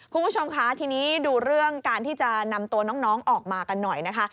คุณผู้ชมคะทีนี้ดูเรื่องการที่จะนำตัวน้องออกมากันหน่อยนะคะ